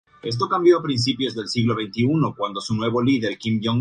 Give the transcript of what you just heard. Completan el fósil fragmentos del cráneo, una clavícula y un ilion.